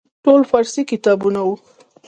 ټول فارسي کتابونه وو.